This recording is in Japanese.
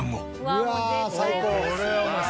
うわあ最高！